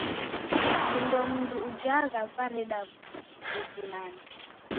Vindo mndu ujagha vareda w'ubinana.